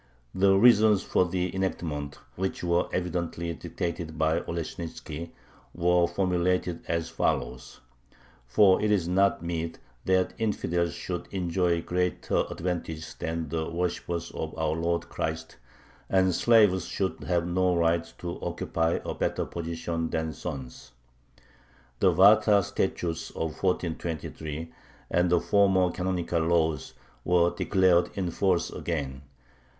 The reasons for the enactment, which were evidently dictated by Oleshnitzki, were formulated as follows: "For it is not meet that infidels should enjoy greater advantages than the worshipers of our Lord Christ, and slaves should have no right to occupy a better position than sons." The Varta Statutes of 1423 and the former canonical laws were declared in force again.